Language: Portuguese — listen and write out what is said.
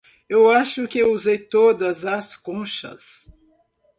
Eu acho que usei todas as conchas.